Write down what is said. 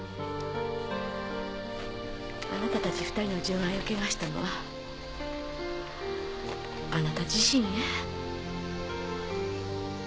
あなたたち２人の純愛を汚したのはあなた自身え。